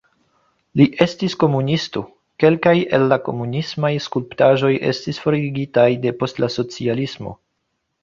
Li estis komunisto, kelkaj el la komunismaj skulptaĵoj estis forigitaj depost la socialismo.